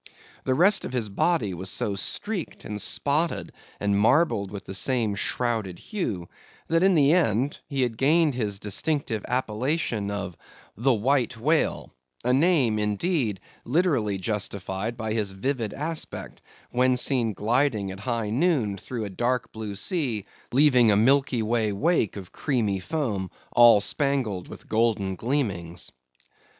The rest of his body was so streaked, and spotted, and marbled with the same shrouded hue, that, in the end, he had gained his distinctive appellation of the White Whale; a name, indeed, literally justified by his vivid aspect, when seen gliding at high noon through a dark blue sea, leaving a milky way wake of creamy foam, all spangled with golden gleamings.